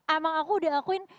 emang aku udah akuin